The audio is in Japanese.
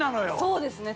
そうですね